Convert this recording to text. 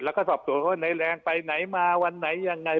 แล้วก็สอบสวนว่านายแรงไปไหนมาวันไหนยังไง